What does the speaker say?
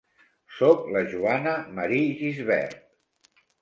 Soc la Joana Marí Gisbert.